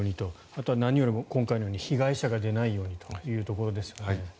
あとは何よりも今回のように被害者が出ないようにというところですよね。